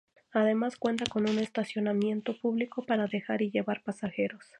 Además cuenta con un estacionamiento público para dejar y llevar pasajeros.